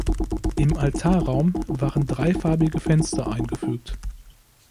Im Altarraum waren drei farbige Fenster eingefügt.